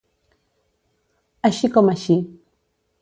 Així com així.